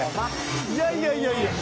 いやいやいやいや。